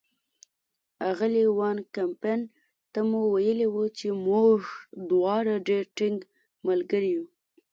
اغلې وان کمپن ته مو ویلي وو چې موږ دواړه ډېر ټینګ ملګري یو.